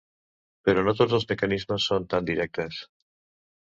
Però no tots els mecanismes són tan discrets.